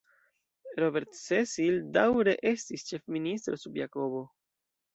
Robert Cecil daŭre estis ĉef-ministro sub Jakobo.